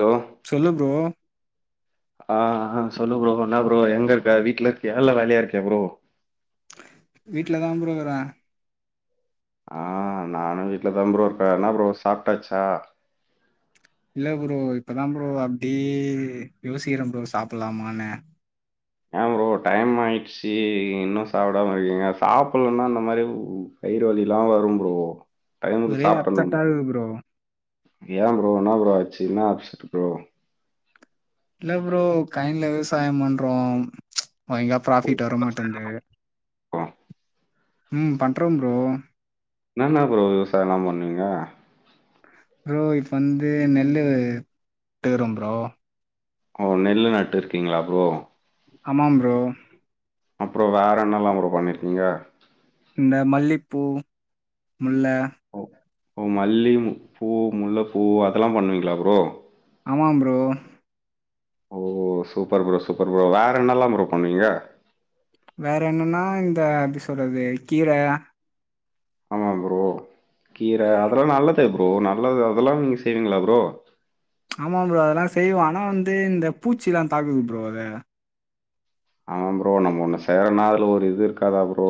Hello சொல்லு bro ஆ சொல்லு ப்ரோ என்னா ப்ரோ எங்க இருக்க வீட்ல இருக்கியா இல்ல வேலையா இருக்கியா ப்ரோ வீட்லதா ப்ரோ இருக்குறே ஆ நானு வீட்லதா ப்ரோ இருக்கே என்னா ப்ரோ சாப்டாச்சா இல்ல ப்ரோ இப்பதா ப்ரோ அப்டியே யோசிக்கிறே ப்ரோ சாப்பலாமானு ஏ ப்ரோ டைம் ஆயிச்சு இன்னு சாப்படாம இருக்கீங்க சாப்டலன்னா இந்த மாரி வயிறு வலில்லா வரு ப்ரோ டைமுக்கு ஒரே சாப்ட்ருணு அப்செட்டா ப்ரோ இருக்கு ஏ ப்ரோ என்னா ப்ரோ ஆச்சு என்னா அப்சட் ப்ரோ இல்ல ப்ரோ கயின்ல விவசாய பண்றோ ஒய்ங்கா ப்ராஃபிட் வரமாட்டேந்து ஆ ம் பண்றோம் ப்ரோ என்னன்ன ப்ரோ விவசாயல்லா பண்ணுவீங்க ஃப்ரோ இப்ப வந்து நெல்லு தேரும் ஃப்ரோ ஓ நெல்லு நட்டு இருக்கீங்களா ஃப்ரோ ஆமாம் ஃப்ரோ அப்றோ வேற என்ன எல்லா ஃப்ரோ பண்ணிருக்கீங்க இந்த மல்லிப்பூ முல்ல ஓ ஓ மல்லி பூ முல்லப்பூ அதெல்லா பண்ணுவீங்களா ஃப்ரோ ஆமாம் ஃப்ரோ ஓ சூப்பர் ஃப்ரோ சூப்பர் ஃப்ரோ வேற என்ன எல்லாம் ஃப்ரோ பண்ணுவீங்க வேற என்னன்னா இந்த எப்டி சொல்றது கீர ஆமா ஃப்ரோ கீர அதெல்லா நல்லதே ஃப்ரோ நல்லது அதெல்லா நீங்க செய்வீங்களா ஃப்ரோ ஆமா ஃப்ரோ அதெல்லா செய்வோ ஆனா வந்து இந்த பூச்சில்லா தாக்குது ஃப்ரோ அத ஆமா ஃப்ரோ நம்ம ஒன்னு செய்யறனா அதுல ஒரு இது இருக்காதா ஃப்ரோ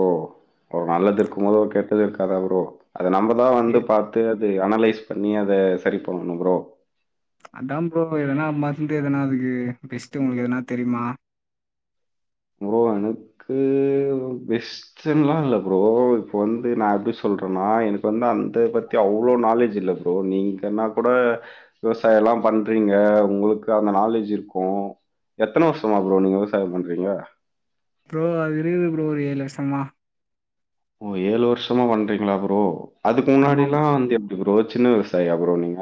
ஒரு நல்லது இருக்கும் போது ஒரு கெட்டது இருக்காதா ஃப்ரோ அத நம்பதா அத வந்து பாத்து அது அனலைஸ் பண்ணி அத சரி பண்ணணு ஃப்ரோ அதா ஃப்ரோ எதனா மறந்து எதனா அதுக்கு பெஸ்ட்டு உங்களுக்கு எதனா தெரியுமா ஃப்ரோ எனக்கூ ஃப்ரோ பெஸ்ட்ன்லா இல்ல ஃப்ரோ இப்ப வந்து நா எப்டி சொல்றேன்னா எனக்கு வந்து அந்த பத்தி அவ் அவ்ளோ நாலேஜ் இல்ல ஃப்ரோ நீங்கனா கூட விவசாயல்லா பண்றீங்க உங்களுக்கு அந்த நாலேஜ் இருக்கு எத்தன வருஷமா ஃப்ரோ நீங்க விவசாயம் பண்றீங்க ஃப்ரோ அது இருக்குது ஃப்ரோ ஒரு ஏழு வர்ஷமா ஓ ஏழு வருஷமா பண்றீங்களா ஃப்ரோ அதுக்கு ஆமாம் முன்னாடில்லா வந்து எப் எப்டி ஃப்ரோ சின்ன விவசாயியா ஃப்ரோ நீங்க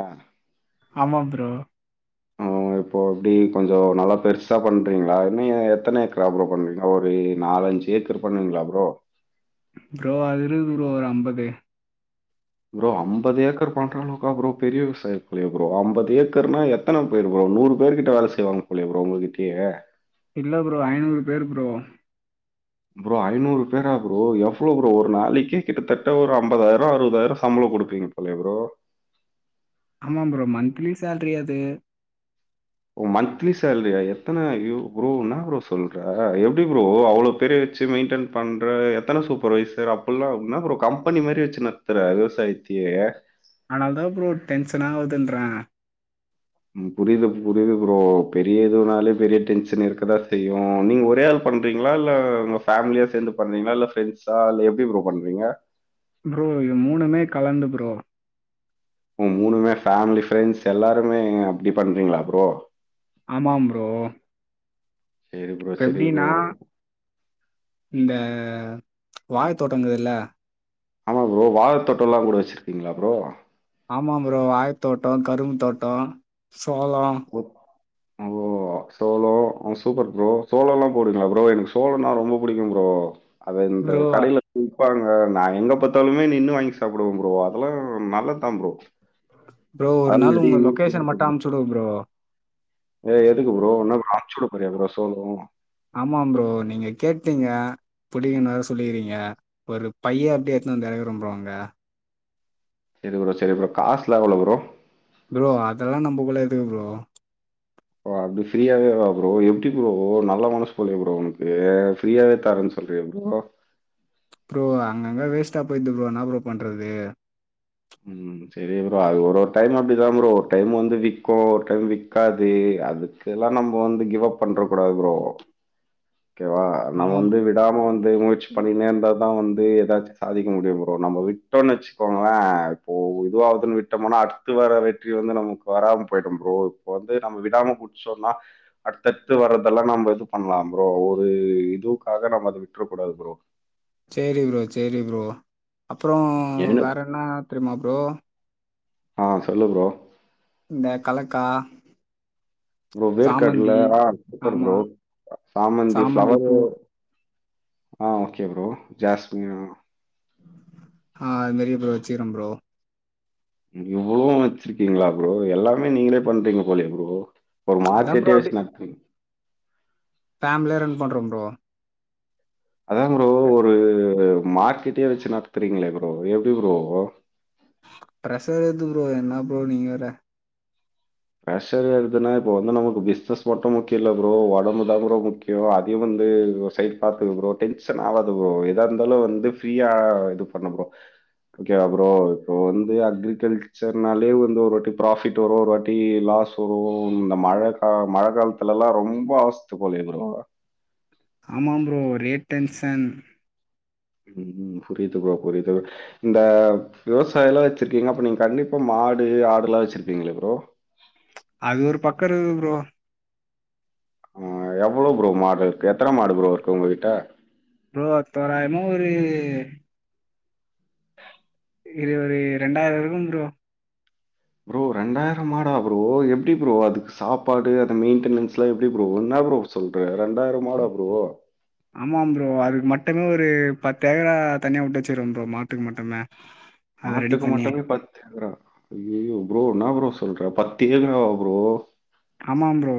ஆமா ஃப்ரோ அ இப்போ எப்டி கொஞ்சொ நல்லா பெருசா பண்றீங்களா இன்னு எத்தன ஏக்கரா ஃப்ரோ பண்றீங்க ஒரு நாலஞ்சு ஏக்கர் பண்ணுவீங்களா ஃப்ரோ க்கு ஃப்ரோ ஒரு அம்பது ஃப்ரோ அம்பது ஏக்கர் பண்றனாக்கா ஃப்ரோ பெரிய விவசாயி ஃப்ரோ அம்பது ஏக்கர்னா எத்தன பேர் ஃப்ரோ ஒரு நூறு பேர் கிட்ட வேல செய்வாங்க போல ஃப்ரோ உங்ககிட்டயே இல்ல ஃப்ரோ ஐநூறு பேரு ஃப்ரோ ஃப்ரோ ஐநூறு பேரா ஃப்ரோ எவ்ளோ ஃப்ரோ ஒரு நாளைக்கே கிட்டத்தட்ட ஒரு ஐம்பதாயிரோ அறுவதாயிரோ சம்பளொ குடுக்குறீங்கப்போலயே ஃப்ரோ ஆமா ஃப்ரோ மந்த்லி செலரி அது மந்த்லி சேலரியா எத்தன ஃப்ரோ என்ன ஃப்ரோ சொல்ற எப்டி ஃப்ரோ அவ்ளோ பெரிய ச்சு மெயின்டன் பண்ற எத்தன சூப்பர்வைசர் அப்புல்லா என்ன ஃப்ரோ கம்பனி மாரி வச்சு நடத்துற விவசாயத்த யே ஆனாலதா ஃப்ரோ டென்ஷனா ஆவுதுன்ற புரியது புரியுது ஃப்ரோ பெரிய எதுவுனாலே பெரிய டென்ஷன் இருக்கதா செய்யு நீங்க ஒரே ஆள் பண்றீங்களா இல்ல உங்க ஃபேமிலியா சேர்ந்து பண்றீங்களா இல்ல ப்ரெண்ட்ஸா இல்ல எப்டி ஃப்ரோ பண்றீங்க ஃப்ரோ இது மூணுமே கலந்து ஃப்ரோ ஓ மூணுமே ஃபேமிலி ஃப்ரெண்ட்ஸ் எல்லாருமே அப்டி பண்றீங்களா ஃப்ரோ ஆமாம் ஃப்ரோ சரி ப்ரோ, இப்ப சரி எப்டின்னா ப்ரோ. இந்த வாழ தோட்டங்குதுல்ல ஆமா ஃப்ரோ வாழ தோட்டல்லா கூட வச்சுருக்கீங்களா ஃப்ரோ ஆமா ஃப்ரோ வாழ தோட்டோ கரும்பு தோட்டோ சோளொ [unintelligible] சோளோ அவன் சூப்பர் ஃப்ரோ சோளோல்லா போடுவீங்களா ஃப்ரோ எனக்கு சோளன்னா ரொம்ப புடிக்கும் ஃப்ரோ அது இந்த ப்ரோ கடையில கூ பாருங்க நா எங்க பாத்தாலுமே நின்னு வாங்கி சாப்புடுவே ஃப்ரோ அதெல்லா நல்லது தா ஃப்ரோ ப்ரோ ஒரு நாள் உங்க லொகேஷன் மட்டும் அமிச்சுடுங் ப்ரோ ஏ எதுக்கு ப்ரோ என்ன ப்ரோ ஆமிச்சுடறா ப்ரோ சோறும் ஆமா ப்ரோ நீங்க கேட்டீங்க புடிக்கும்ன்னு வேற சொல்லிகிறீங்க ஒரு பையே அப்டியே ஏத்துவந்து ஏறக்குற ப்ரோ அங்க சரி ப்ரோ சரி ப்ரோ காசுல எவ்ளோ ப்ரோ ப்ரோ அதெல்லாம் நம்மக்குள்ள எதுக்கு ப்ரோ ஓ அப்படி ஃப்ரீயாவேவா ப்ரோ எப்படி ப்ரோ நல்லா மனசு போல ப்ரோ உனக்கு ஃப்ரீயாவே தரன் சொல்றியே ப்ரோ ப்ரோ அங்கங்க வேஸ்டா போயிது ப்ரோ என்னா ப்ரோ பண்றது ம் சரி ப்ரோ அ ஒரு ஒரு‌ டைம் அப்படிதான் ப்ரோ ஒரு டைம் வந்து விக்கு ஒரு டைம் விக்காது அதுக்கெல்லாம் நம்ம வந்து கிவ் அப் பண்றக்கூடாது ப்ரோ ஒகேவா நம்ம ஆமாம் வந்து விடாம வந்து முயற்ச்சி பண்ணினே இருந்தா தான் வந்து எதாச்சும் சாதிக்க முடியும் ப்ரோ நம்ம விட்டோன்னு வச்சுக்கோங்களேன் இப்போ இதுவாதுன்னு விட்டோமனா அடுத்து வர வெற்றி வந்து நமக்கு வராம போயிடும் ப்ரோ இப்ப வந்து நம்ம விடாம முடிச்சோம்னா அடுத்தடுத்து வரதெல்லாம் நம்ம இது பண்ணலாம் ப்ரோ ஒரு இதுக்காக நம்ம அத விட் வுட்ற கூடாது ப்ரோ சேரி ப்ரோ சேரி ப்ரோ அப்றோம் ஏன்னு வேற என்னா தெரியுமா ப்ரோ ஆஹ் சொல்லு ப்ரோ இந்த கலக்கா ப்ரோ வேர்க கடல சாமந்தி ஹ சூப்பர் ப்ரோ ஆமாம் சாமந்தி ஃப்ளவரு ஆஹ் ஒகே ப்ரோ ஜாஸ்மின் ஆஹ் அது மேரி ப்ரோ வச்சிக்கிறன் ப்ரோ இவ்ளவும் வச்சிருக்கீங்களா ப்ரோ எல்லாமே நீங்களே பண்றீங்க போலயே ப்ரோ ஒரு அதான் மார்க்கெட்டயே வச்சு நட்த்து ஃபேமிலியா ரன் பண்றோம் ப்ரோ அதான் ப்ரோ ஒரு மார்க்கெட்டே வச்சு நட்த்துறீங்களே ப்ரோ எப்டி ப்ரோ ப்ரசர் எறுது ப்ரோ என்ன ப்ரோ நீங்க வேற ப்ரசர் ஏற்துன்னா இப்ப வந்து நமக்கு பிஸ்னஸ் மட்டும் முக்கியம் இல்ல ப்ரோ உடம்பு தான் ப்ரோ முக்கியம் அதயும் வந் ந்து ஒர் சைட் பாத்துக்க ப்ரோ டென்ஷன் ஆவாத ப்ரோ எதா இருந்தாலும் வந்து ஃப்ரீயா இது பண்ணு ப்ரோ ஒகேவா ப்ரோ இப்போ வந்து அக்ரிகல்ச்சர்னாலே வந்து ஒரு வாட்டி ப்ராபிட் வரும் ஒரு வாட் அப்டி லாஸ் வரும் இந்த மழ கா மழ காலத்துலல்லாம் ரொம்ப ஆவஸ்த்த போலயே ப்ரோ ஆமா ப்ரோ ஒரே டென்சன் உம்ம் புரியுது ப்ரோ புரியுது இந்த விவசாயல்லாம் வச்சிருக்கீங்க அப்ப நீங்க கண்டிப்பா மா ஆடு ஆடெல்லா வச்சிருப்பீங்களே ப்ரோ அது ஒரு பக்கம் இருக்து ப்ரோ ஆஹ் எவ்ளோ ப்ரோ மாடு இருக்கு எத்தன மாடு ப்ரோ இருக்கு உங்ககிட்ட ப்ரோ தோராயமா ஒரு இது ஒரு ரண்டாயிரம் இருக்கும் ப்ரோ ப்ரோ ரெண்டாயிரம் மாடா ப்ரோ எப்டி ப்ரோ அதுக்கு சாப்பாடு அது மெயின்டெனன்ஸ்லாம் எப்டி ப்ரோ என்ன ன ப்ரோ சொல்ற ரெண்டாயிரம் மாடா ப்ரோ ஆமாாம் ப்ரோ அதுக்கு மட்டுமே ஒரு பத்து ஏக்கரா தனியா விட்டு வச்சிகிற ப்ரோ மாட்டுக்கு மட்டுமே அதை ரெடி மாட்டுக்கு பண்ணி மட்டுமே பத்து ஏக்கரா ஐயயோ ப்ரோ என்ன ப்ரோ சொல்ற பத்து ஏக்கரா வா ப்ரோ ஆமாம் ப்ரோ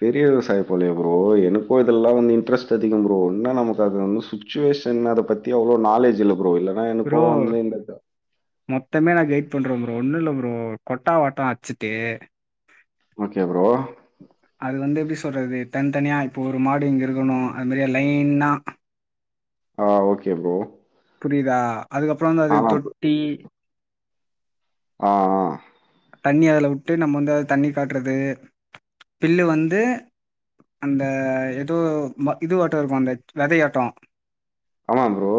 பெரிய விவசாயி போலயே ப்ரோ எனக்கும் இதெல்லாம் வந்து இன்ட்ரெஸ்ட் அதிகம் ப்ரோ இன்னா நமக்கு அத வந்து சுச்சுவே ஷன்ன அத பத்தி அவ்ளோ நாலேஜ் இல்ல ப் ப்ரோ மொத்தமே நான் கைட் பண்ற ப் ரோ ஒண்ணு இல்ல ப்ரோ கொட்டா வாட்டம் அச்சுட்டு ஓகே ப்ரோ அது வந்து எப்டி சொல்றது தனித்தனியா இப்போ ஒரு மாடு இங்க இருக்கணும் அது மாரி லைன்னா ஆஹ் ஓகே ப்ரோ புரியுதா அதுக்கப்புற வந்து அதுக்கு தொட்டி ஆஹ் ஆஹ் தண்ணி அதுல வுட்டு நம்ம வந்து அது தண்ணி காட்டுறது பில்லு வந்து அந்த எதோ இது ஆட்டம் இருக்கும் அந்த வதயாட்டம் ஆமா‌ ப்ரோ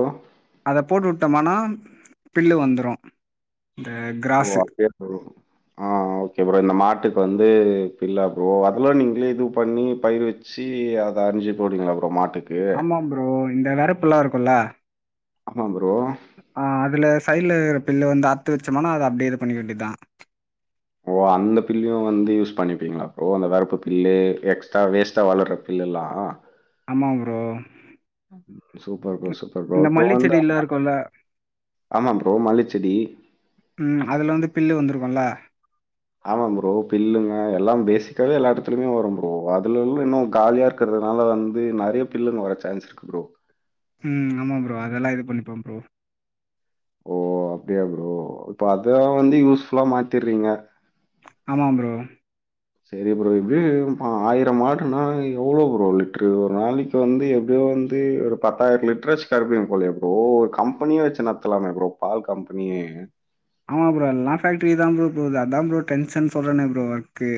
அத போட்டு விட்டோமானா பில்லு வந்துரும் இந்த கிராஸு ஆஹ் ஓகே ப்ரோ இந்த மாட்டுக்கு வந்து பில்லா ப்ரோ அதுலாம் நீங்களே இது பண்ணி பயிர் வச்சு சீவி அத அரிஞ்சு போடிவிங்களா ப்ரோ மாட்டுக் ஆமா ப்ரோ இந்த வேறப்பல்லாம் இருக்கும்ல்ல ஆமா ப்ரோ ஆஹ் அதுல சைடுல இருதற பில்ல வந்து அரத்து வச்சோம்னா அது அப்படியே இது பண்ணிக்க வேண்டிதான் ஓ அந்த பில்லும் வந்து யூஸ் பண்ணிப்பீங்களா ப்ரோ அந்த வரப்பு பில்லு எக்ஸ்டரா வேஸ்டா வளர்ற பில் லல்லாம் ஆமா bro super bro super bro இந்த இப்ப மல்லி வந்தா செடில்லா இருக்குல்ல ஆமா ப்ரோ மல்லிச்செடி ம் அதுல வந்து பில்லு வந்துருக்குல்ல ஆமா ப்ரோ பில்லுங்க எல்லாம் பேசிக்காவே எல்லா இடத்துலயுமே வரும் ப்ரோ அதுல எல்லாம் இன்னும் காலியா இருக்கிற அதனால வந்து நிறைய பில்லுங்க வர சான்ஸ் இருக்கு ப்ரோ ம் ஆமாம் ப்ரோ அதெல்லாம் இது பண்ணிப்போம் ப்ரோ ஓ அப்படியா ப்ரோ இப்போ அத வந்து யூஸ்ஃபுல்லா மாத்திற்றீங்க ஆமாம் ப்ரோ சரி ப்ரோ இப்படி ஆயிரம் மாடுனா எவ்ளோ ப்ரோ லிட்ரு ஒரு நாளைக்கு வந்து எப்படியோ வந்து ஒரு பத்தாயிரம் லிட்டரா கரப்பிங் போல ப்ரோ ஒரு கம்பெனிய வச்சு நடத்தலாமே ப்ரோ பால் கம்பெனியே இல்லீங்க ஆமாம் ப்ரோ அல்லா ஃபேக்ட்ரி தான் ப்ரோ அதான் ப்ரோ டென்ஷன் சொல்றே ப்ரோ ஒர்க்கு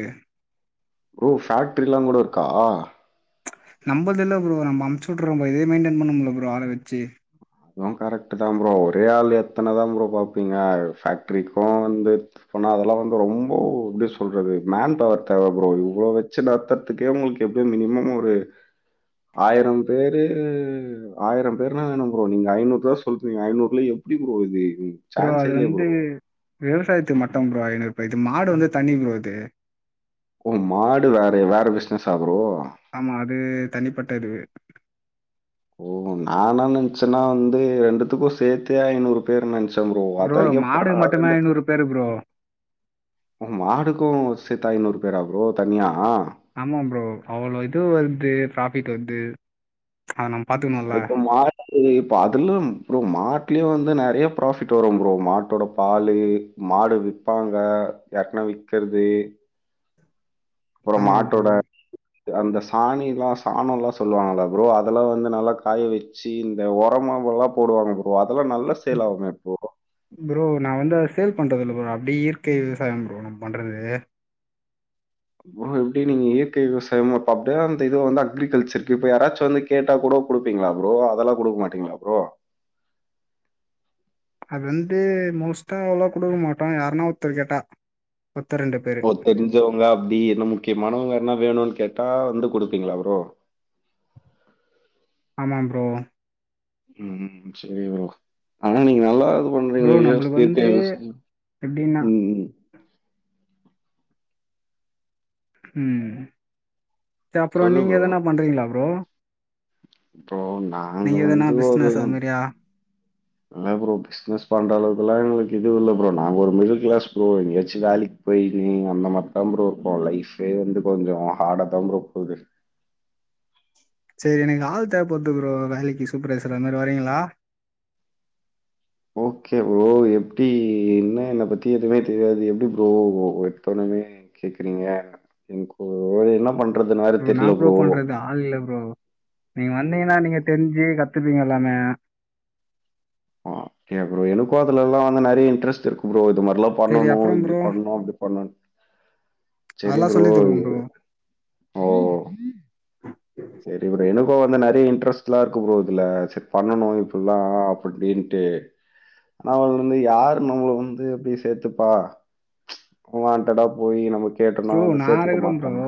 ப்ரோ ஃபேக்டரில்லாம் கூட இருக்கா நம்பல்தில்ல ப்ரோ நம்ம அம்ச்சுட்டுற்றோ இதே மெயின்டென் பண்ணும்ல பரோ ஆள வெச்சு அதுவும் கரெக்ட் தான் ப்ரோ ஒரே ஆள் எத்தனைதான் ப்ரோம் பாப்பீங்க பேக்டரிக்கும் வந்து அதெல்லாம் வந்து ரொம்ப எப்டி சொல்றது மேன் பவர் தேவைப்போ இவ்வளோ வச்சு நட்த்தறதுக்கே உங்களுக்கு எப்டியு மினிமம் ஒரு ஆயிரம் பேரு ஆயிரம் பேர்னா வேணும் ப்ரோ ப்ரோ நீங்க ஐநூறு சொல்லறீங்க நூறுல எப்டி ப்ரோ வருது அப்புறம் அது வந்து விவசாயத்துக்கு மட்டும் ப்ரோ ஐநூறுபா இது மாடு வந்து தண்ணி ப்ரோ ஓ மாடு வேற வேற பிசினஸ்ஸா ப்ரோ ஆமா அது தனிப்பட்ட இது ஓ நான்னா நினைச்சேன்னா வந்து ரெண்டுத்துக்கும் சேத்தே ஐநூறு பேர் நினச்சேன் ப்ரோ அத்தா எப்ட்ரா மாடு மட்டுமே ரெண்டுக் ஐநூறு பேரு ப்ரோ மாடுக்கும் ஸ் சேத்து ஐநூறு பேரா ப்ரோ தனியா ஆ ஆமா ப்ரோ அவ்ளோ இது வருது ப்ராபிட் வருது அத நம் இப்ப மாடு இப்ப அதுலாம் ப்ரோ மாட்டுலயும் வந்து நிறைய ப்ராபிட் வரும் போ மாட்டோட பால் மாடு விற்பாங்க யார்குனா விற்கிற து அப்புறம் ஆமா ப்ரோ மாட்டோட அந்த சாணி எல்லாம் சாணம் எல்லாம் சொல்லுவாங்களா ப்ரோ அதெல்லாம் வந்து நல்லா காய வச்சு இந்த உரமா ல்லாம் போடுவாங்க ப்ரோ அதெல்லாம் நல்ல சேல் ஆகுமே ப்ரோ ப்ரோ நான் வந்து அத சேல் பண்றதுல்ல ப்ரோ அப்படிே இயற்கை விவசாயம் ப்ரோ நம்ப பண்றது எப்படி நீங்க இயற்கை விவசாயம் அப்டியே அந்த இது வந்து அக்ரிகல்ச்சர்கக்கு இப்ப யாராச்சும் வந்து கேட்டா கூட கொடுப்பீங்களா ப்ரோ அதெல்லாம் கொடுக்க மாட்டீங்களா ப்ரோ [inaudible] அது வந்து மோஸ்ட்டா அவ்ளா குடுக்க மாட்டோ யாருன்னா ஒத்தர் கேட்டா ஒருத்தர் ரெண்டு பேரு ஓ தெரிஞ்சவங்க அப்டி என்ன முக்கியமானவங்க என்ன வேணும்னு கேட்டா வந்து குடுப்பீங்களா ப்ரோ ஆமாம் ப்ரோ ம் சரி வரோ ஆனா நீங்க நல்லா ப்பு பண்றீங்களோ ப்ரோ நம்மளுக்கு இல்லையோ வந்து [unintelligible] எப்படின்னா ம் ம் ம் த அப்புற சொல்லு நீங்க ப்ரோ. எதனா பண்றீங்களா ப்ரோ அப்பறோ நாங்க நீங்க எதனா வந்து பிசினஸ் அது ஒருதம் மாதிரியா என்ன ப்ரோ பிசினஸ் பண்ற அளவுக்குல்லா எங்களுக் இதுவு இல்ல ப்ரோ நாங்க ஒரு மிடில் கிளாஸ் ப்ரோ எங்கயாச்சு வேலிக்கு போயு அந்த மார்த்தா ப்ரோ இருப்போ லைஃப்பே வந்து கொஞ்சொ ஹாடாதா ப்ரோ போது [inaudible] சரி எனக்கு ஆள் தேவபடுது ப்ரோ வேலைக்கு சூப்பர் ரைசர்ரா அந்த மாரி வரீங்களா ஓகே ப்ரோ எப்டி என்ன என்ன பத்தி எதுவுமே தெரியாது எப்டி ப்ரோ எத்தோணுமே கேக்குறீங்க என்க்கு என்ன பண் ப்ரோ நா ப்ரோ பண்றது ஆள் இல்ல ப்ரோ நீங்க வந்தீங்கன்னா நீங்க தெரிஞ்சு கத்துப்பீங்க எல்லாமே அப்டியா ப்ரோ எனக்கு அதுலல்லா வந்து நெறைய இன்டரெஸ்ட் இருக்கு ப்ரோ இது மாரிலா சரி பண்ணணு அப்புறம் இப்டி ப்ரோ பண்ணு அப்டி பண்ணு சேரி அதெல்லாம் ப்ரோ சொல்லி தருவோம் ப்ரோ. ஓ சேரி ப்ரோ எனக்கு வந்து நறிய இன்ட்ரெஸ்ட்லா இருக்கு ப்ரோ இதுல செரி பண்ணணு இத் ஃபுல்லா அப்டின்டு எ நமளருந்து யாரு நம்மள வந்து எப்டி சேத்துப்பா வாண்டடா போய் நமக்கு கேட்டோனா ப்ரோ வந்து நான் சேத்துக்க இருக்கிறேன் ப்ரோ. மாட்றாங்க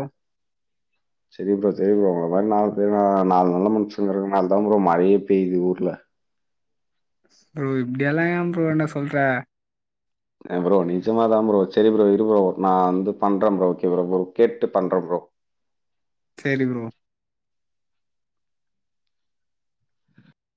சேரி ப்ரோ சேரி ப்ரோ உங் இந்த மாரி நாலு பேர் நாலு நல்ல மனுஷங்க இருக்க நாலதா ப்ரோ மழயே பெய்து ஊர்ல ப்ரோ இப்டியெல்லா எ ப்ரோ என்ன சொல்ற ய ப்ரோ நிஜமாதா ப்ரோ சேரி ப்ரோ இரு ப்ரோ நா வந்து பண்ற ப்ரோ ஓகே ப்ரோ ப்ரோ கேட்டு பண்ற ப்ரோ சேரி ப்ரோ